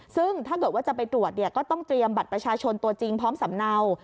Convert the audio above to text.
ซึ่งถ้าเกิดว่าจะไปตรวจเนี่ยก็ต้องเตรียมบัตรประชาชนตัวจริงพร้อมสำเนา